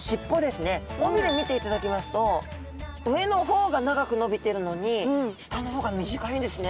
尾ビレ見ていただきますと上の方が長く伸びてるのに下の方が短いんですね。